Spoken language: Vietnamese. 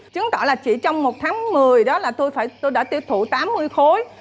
chứng tỏ là chỉ trong một tháng một mươi đó là tôi đã tiêu thụ tám mươi khối